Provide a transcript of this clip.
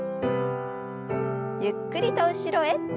ゆっくりと後ろへ。